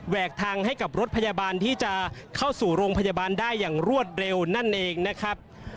กทางให้กับรถพยาบาลที่จะเข้าสู่โรงพยาบาลได้อย่างรวดเร็วนั่นเองนะครับ